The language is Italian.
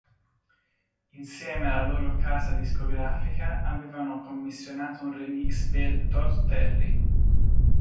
Insieme alla loro casa discografica avevano commissionato un remix per Todd Terry.